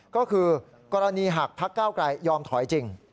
ก็คือกรณีหากพักเก้าไกลยอมถอยจริง